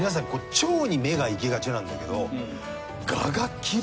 蝶に目が行きがちなんだけど。